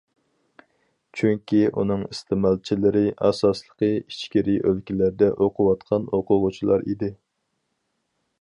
چۈنكى، ئۇنىڭ ئىستېمالچىلىرى ئاساسلىقى ئىچكىرى ئۆلكىلەردە ئوقۇۋاتقان ئوقۇغۇچىلار ئىدى.